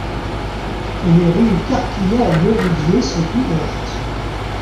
Les rues Carquillat et Leroudier sont ouvertes.